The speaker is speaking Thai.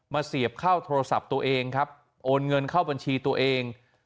เสียบเข้าโทรศัพท์ตัวเองครับโอนเงินเข้าบัญชีตัวเอง